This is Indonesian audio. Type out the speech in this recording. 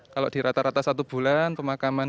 jadi rata rata satu bulan pemakaman